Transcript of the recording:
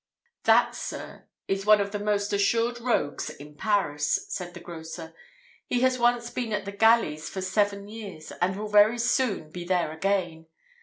"That, sir, is one of the most assured rogues in Paris," said the grocer; "he has once been at the galleys for seven years, and will very soon be there again.